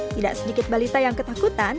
tidak sedikit balita yang ketakutan